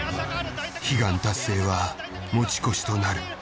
悲願達成は持ち越しとなる。